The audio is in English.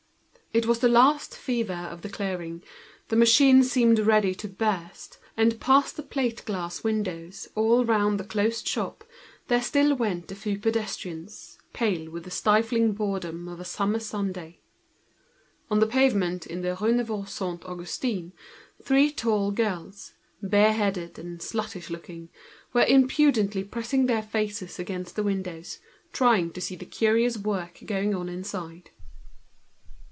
It was the last fever of the clearance, the machine nearly ready to burst; whilst along the plate glass windows, round the closed shop, a few rare pedestrians continued to pass, pale with the stifling boredom of a summer Sunday. On the pavement in the Rue Neuve Saint Augustin were planted three tall girls, bareheaded and sluttish looking, impudently sticking their faces against the windows, trying to see the curious work going on inside.